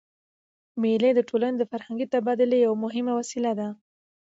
مېلې د ټولني د فرهنګي تبادلې یوه مهمه وسیله ده.